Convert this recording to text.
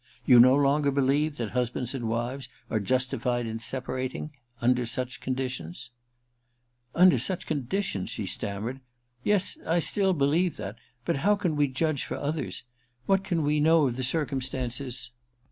*You no longer believe that husbands and wives are justified in separating — under such conditions ?Under such conditions ?' she stammered. *Yes — I still believe that — but how can we judge for others ? What can we know of the circumstances